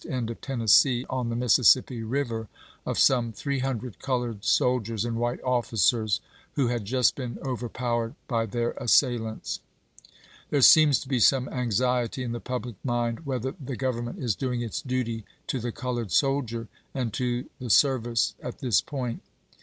eu(j of Tennessee, on the Mississippi River, of some three hundred colored soldiers and white officers, who had just been overpowered by their assailants. There seems to be some anxiety in the public mind whether the Government is doing its duty to the colored soldier, and to the service, at this point.